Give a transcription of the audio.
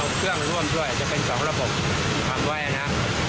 เอาเครื่องร่วมด้วยจะเป็น๒ระบบทำไว้อ่ะนะ